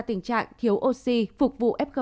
tình trạng thiếu oxy phục vụ f